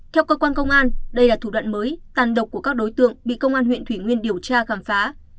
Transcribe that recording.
theo cơ quan công an đây là thủ đoạn mới tàn độc của các đối tượng bị công an huyện thủy nguyên điều tra khám phá